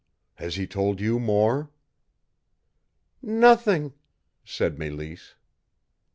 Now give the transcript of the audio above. Has he told you more?" "Nothing," said Mélisse.